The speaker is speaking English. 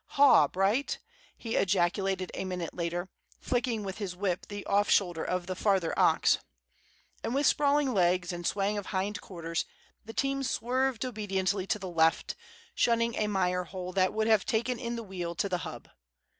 "Haw, Bright!" he ejaculated a minute later, flicking with his whip the off shoulder of the farther ox. And with sprawling legs and swaying of hind quarters the team swerved obediently to the left, shunning a mire hole that would have taken in the wheel to the hub.